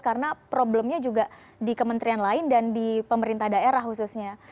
karena problemnya juga di kementerian lain dan di pemerintah daerah khususnya